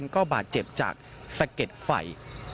ก็บาดเจ็บจากสะเก็ดไฟ